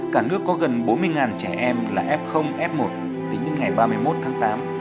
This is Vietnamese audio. cả nước có gần bốn mươi trẻ em là f f một tính đến ngày ba mươi một tháng tám